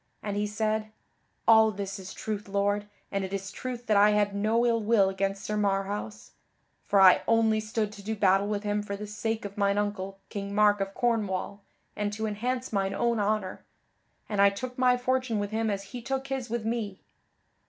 And he said: "All this is truth, Lord, and it is truth that I had no ill will against Sir Marhaus; for I only stood to do battle with him for the sake of mine uncle, King Mark of Cornwall, and to enhance mine own honor; and I took my fortune with him as he took his with me.